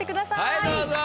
はいどうぞ。